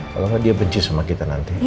kalau nggak dia benci sama kita nanti